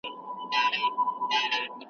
زه ښه لوست کوم.